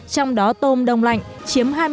trong đó tôm đông lạnh chiếm hai mươi năm